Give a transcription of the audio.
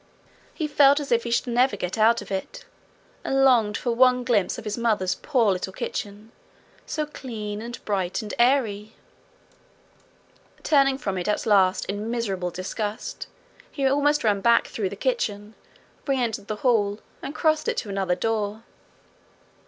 He felt as if he should never get out of it, and longed for one glimpse of his mother's poor little kitchen, so clean and bright and airy. Turning from it at last in miserable disgust, he almost ran back through the kitchen, re entered the hall, and crossed it to another door.